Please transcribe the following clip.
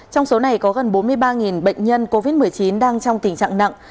trong số này có gần bốn mươi ba bệnh nhân covid một mươi chín đang trong tình trạng nặng